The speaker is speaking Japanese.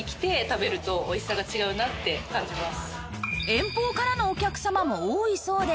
遠方からのお客様も多いそうで